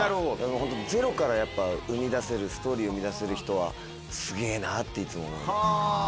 ホントゼロから生み出せるストーリーを生み出せる人はすげぇなっていつも思います。